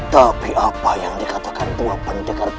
tapi apa yang dikatakan dua pendekar